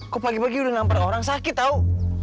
kok pagi pagi udah nampar orang sakit tau